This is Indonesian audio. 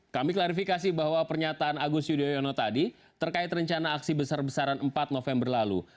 kami klarifikasi bahwa pernyataan agus yudhoyono tadi terkait rencana aksi besar besaran empat november lalu